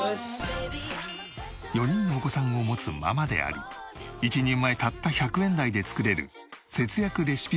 ４人のお子さんを持つママであり１人前たった１００円台で作れる節約レシピ